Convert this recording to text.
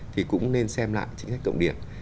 thì cũng nên xem lại chính sách cộng điểm